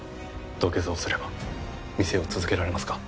土下座をすれば店を続けられますか？